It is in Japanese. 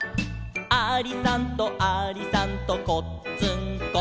「ありさんとありさんとこっつんこ」